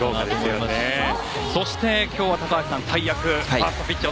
そして、今日は高橋さん大役、ファーストピッチャー。